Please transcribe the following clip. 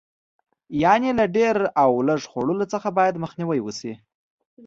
یعنې له ډېر او لږ خوړلو څخه باید مخنیوی وشي.